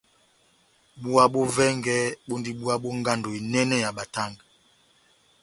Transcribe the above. Búwa bó vɛngɛ bondi búwa bó ngando enɛnɛ ya batanga.